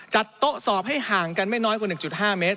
จัดโต๊ะสอบให้ห่างกันไม่น้อยกว่า๑๕เมตร